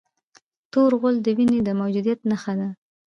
تور غول د وینې د موجودیت نښه ده.